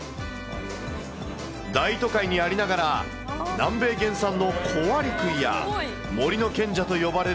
大都会にありながら、南米原産のコアリクイや、森の賢者と呼ばれ